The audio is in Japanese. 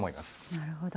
なるほど。